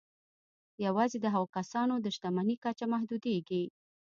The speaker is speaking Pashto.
یوازې د هغو کسانو د شتمني کچه محدودېږي